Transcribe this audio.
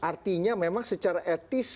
artinya memang secara etis